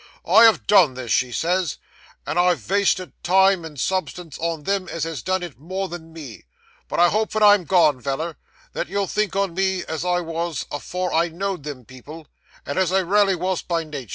I have done this," she says, "and I've vasted time and substance on them as has done it more than me; but I hope ven I'm gone, Veller, that you'll think on me as I wos afore I know'd them people, and as I raly wos by natur."